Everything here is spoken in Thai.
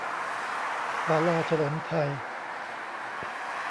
ศาลาเฉลิมไทย